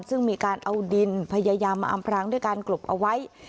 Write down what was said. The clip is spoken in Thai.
ซึ่งมีการเอาดินพยายามมาอำพรางด้วยการกลบเอาไว้